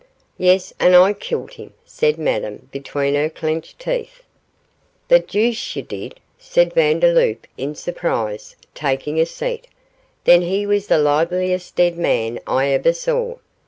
'Yes, and I killed him,' said Madame between her clenched teeth. 'The deuce you did,' said Vandeloup, in surprise, taking a seat, 'then he was the liveliest dead man I ever saw.